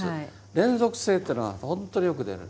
連続性というのがほんとによく出る。